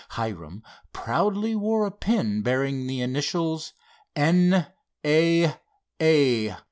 Hiram proudly wore a pin bearing the initials: "N. A. A."